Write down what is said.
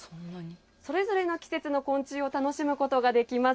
それぞれの季節の昆虫を楽しむことができます。